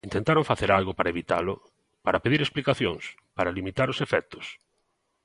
¿Intentaron facer algo para evitalo?, ¿para pedir explicacións?, ¿para limitar os efectos?